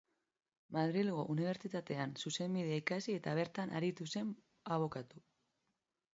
Madrilgo Unibertsitatean zuzenbidea ikasi eta bertan aritu zen abokatu.